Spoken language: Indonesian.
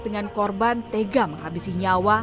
dengan korban tega menghabisi nyawa